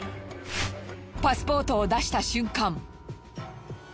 パスポートを出した瞬間。